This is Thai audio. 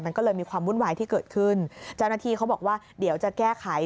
มันก็เลยมีความวุ่นวายที่เกิดขึ้นเจ้าหน้าที่เขาบอกว่าเดี๋ยวจะแก้ไข